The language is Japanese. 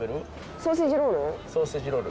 ソーセージロール。